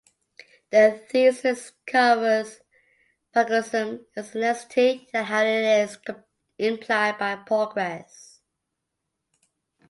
The thesis covers plagiarism as a necessity and how it is implied by progress.